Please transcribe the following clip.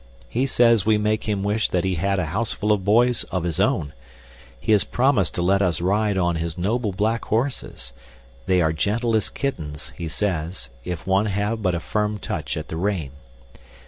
He says we make him wish that he had a houseful of boys of his own. He has promised to let us ride on his noble black horses. They are gentle as kittens, he says, if one have but a firm touch at the rein.